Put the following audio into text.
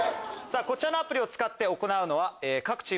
こちらのアプリを使って行うのは。